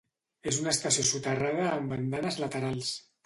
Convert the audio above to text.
És una estació soterrada amb andanes laterals.